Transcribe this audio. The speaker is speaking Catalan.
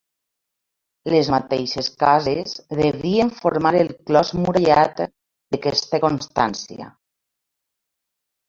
Les mateixes cases devien formar el clos murallat de què es té constància.